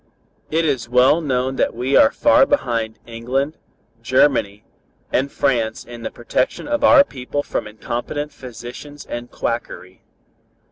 It is well known that we are far behind England, Germany and France in the protection of our people from incompetent physicians and quackery.